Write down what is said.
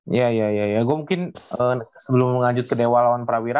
iya iya gue mungkin sebelum lanjut ke dewa lawan prawira